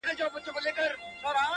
ولي مي هره شېبه، هر ساعت په غم نیسې.